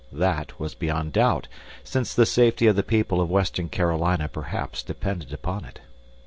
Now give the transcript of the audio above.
That was beyond doubt, since the safety of the people of western Carolina perhaps depended upon it.